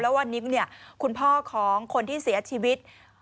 วันนี้คุณพ่อของคนที่เสียชีวิต